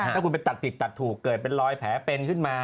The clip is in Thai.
ถ้าคุณไปตัดผิดตัดถูกเกิดเป็นรอยแผลเป็นขึ้นมา